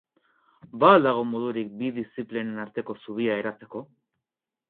Ba al dago modurik bi diziplinen arteko zubia eratzeko?